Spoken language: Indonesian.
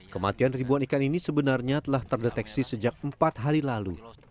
kematian ribuan ikan ini sebenarnya telah terdeteksi sejak empat hari lalu